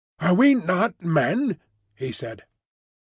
Are we not Men?" he said.